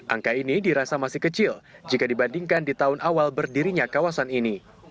angka ini dirasa masih kecil jika dibandingkan di tahun awal berdirinya kawasan ini